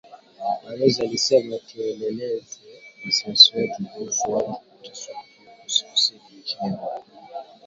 Balozi alisema, tulielezea wasiwasi wetu kuhusu watu kuteswa wakiwa kizuizini nchini Rwanda